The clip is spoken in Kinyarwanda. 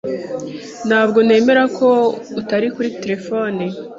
Ntabwo nemera ko utari kuri terefone.